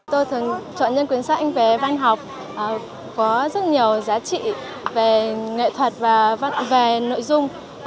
tôi thường chọn nhân quyền sách về văn học có rất nhiều giá trị về nghệ thuật và về nội dung